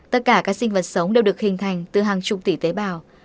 tất cả các sinh vật sống đều được hình thành từ hàng chục tỷ tế bào